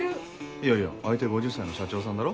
いやいや相手５０歳の社長さんだろ。